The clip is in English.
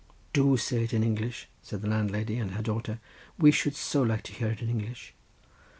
"Do say it in English," said the landlady and her daughter; "we should so like to hear it in English."